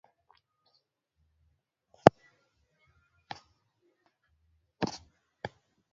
Much agas machebo mugul kityo, mugulelwek chewisisen cheginame eng tekset, inay ago tuguk cheuchoe